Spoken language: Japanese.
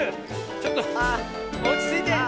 ちょっとおちついて。